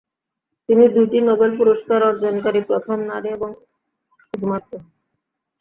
তিনি দুইটি নোবেল পুরস্কার অর্জনকারী প্রথম নারী এবং শুধুমাত্র